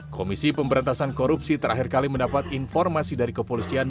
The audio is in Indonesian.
komisi pemberantasan korupsi terakhir kali mendapat informasi dari kepolisian